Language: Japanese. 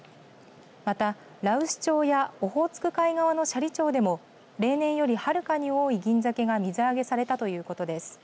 また、羅臼町やオホーツク海側の斜里町でも例年より、はるかに多いギンザケが水揚げされたということです。